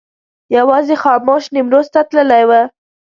یوازې خاموش نیمروز ته تللی و.